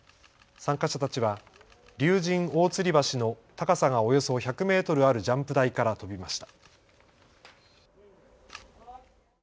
参加者たちは竜神大吊橋の高さがおよそ１００メートルあるジャンプ台から飛びました。